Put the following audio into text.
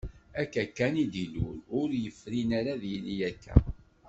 Akka kan i d-ilul, ur yefrin ara ad yili akka.